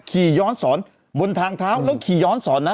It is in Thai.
ขี่ย้อนสอนบนทางเท้าแล้วขี่ย้อนสอนนะ